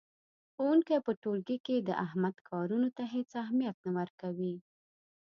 ښوونکی په ټولګي کې د احمد کارونو ته هېڅ اهمیت نه ورکوي.